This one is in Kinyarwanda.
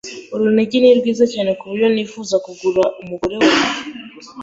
Urunigi ni rwiza cyane kuburyo nifuza kugura umugore wanjye.